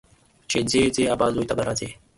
چې ځې، ځې ابازوی ته به راځې.